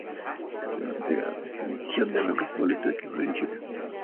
Este premio entrega la distinción al mejor futbolista que juega en Chile.